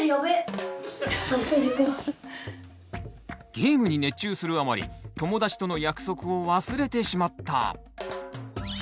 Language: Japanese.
ゲームに熱中するあまり友達との約束を忘れてしまった。